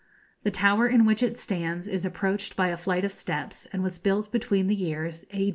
The tower in which it stands is approached by a flight of steps, and was built between the years A.